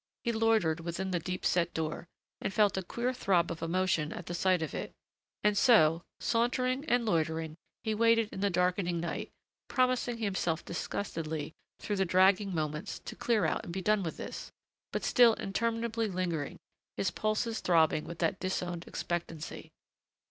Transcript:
He loitered within that deep set door and felt a queer throb of emotion at the sight of it and so, sauntering and loitering, he waited in the darkening night, promising himself disgustedly through the dragging moments to clear out and be done with this, but still interminably lingering, his pulses throbbing with that disowned expectancy.